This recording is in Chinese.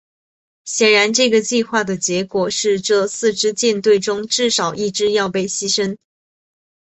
显然这个计划的结果是这四支舰队中至少一支要被牺牲。